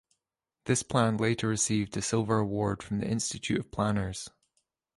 This plan later received a Silver Award from the Institute of Planners.